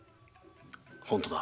本当だ。